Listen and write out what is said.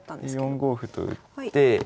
４五歩と打って